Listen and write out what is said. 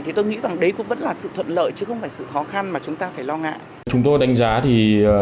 thì tôi nghĩ rằng đấy cũng vẫn là sự thuận lợi chứ không phải sự khó khăn mà chúng ta phải lo ngại